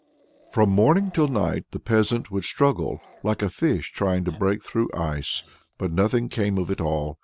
From morning till night the peasant would struggle, like a fish trying to break through ice, but nothing came of it all.